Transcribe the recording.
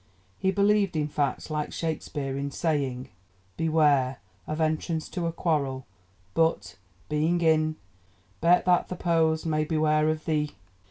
He believed, in fact, like Shakespeare, in saying Beware Of entrance to a quarrel; but, being in, Bear't, that th' opposed may beware of thee.